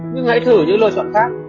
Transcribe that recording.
nhưng hãy thử những lựa chọn khác